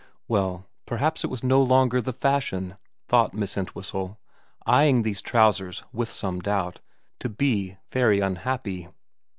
Well, perhaps it was no longer the fashion, thought Miss Entwhistle, eyeing these trousers with some doubt, to be very unhappy.